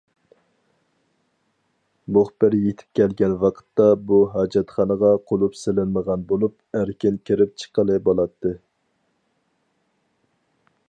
مۇخبىر يېتىپ كەلگەن ۋاقىتتا بۇ ھاجەتخانىغا قۇلۇپ سېلىنمىغان بولۇپ، ئەركىن كىرىپ چىققىلى بولاتتى.